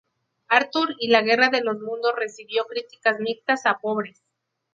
Arthur y la guerra de los mundos recibió críticas mixtas a pobres.